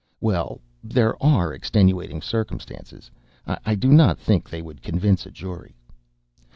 Well, there are extenuating circumstances. I do not think they would convince a jury.